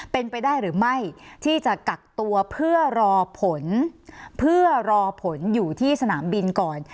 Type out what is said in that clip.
เป็นไปได้หรือไม่ที่จะกักตัวเพื่อรอผลเพื่อรอผลอยู่ที่สนามบินก่อน